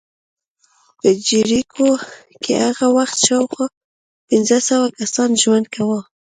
په جریکو کې هغه وخت شاوخوا پنځه سوه کسانو ژوند کاوه